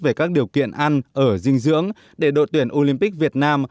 về các điều kiện ăn ở dinh dưỡng để đội tuyển olympic việt nam